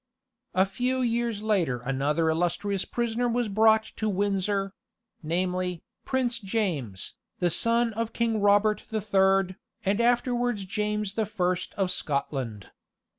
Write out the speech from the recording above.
A few years later another illustrious prisoner was brought to Windsor namely, Prince James, the son of King Robert the Third, and afterwards James the First of Scotland.